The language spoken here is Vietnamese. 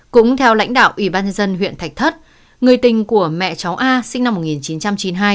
cũng theo lãnh đạo ủy ban nhân dân huyện thạch thất người tình của mẹ cháu a sinh năm một nghìn chín trăm chín mươi hai